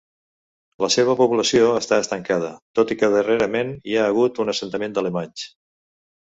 La seva població està estancada, tot i que darrerament hi ha hagut un assentament d'alemanys.